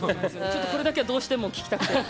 これだけはどうしても聞きたくて。